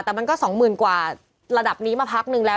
แต่มันก็สองหมื่นกว่าระดับนี้มาพักนึงแล้ว